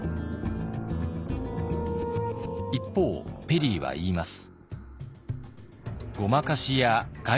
一方ペリーは言います。